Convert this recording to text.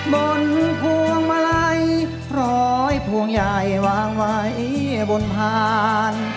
พวงมาลัยพร้อยพวงใหญ่วางไว้บนพาน